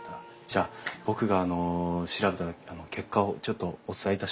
じゃあ僕が調べた結果をちょっとお伝えいたします。